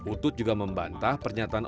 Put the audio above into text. utut juga membantah pernyataan